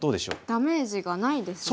ダメージがないですね。